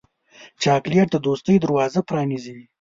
چاکلېټ د دوستۍ دروازه پرانیزي.